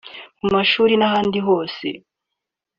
mu mashuri n’ahandi hose